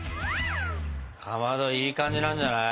かまどいい感じなんじゃない？